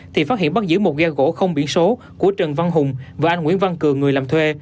thì phát hiện bắt giữ một ghe gỗ không biển số của trần văn hùng và anh nguyễn văn cường người làm thuê